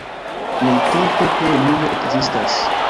Nuntempe plu nenio ekzistas.